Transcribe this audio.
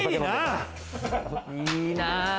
いいな。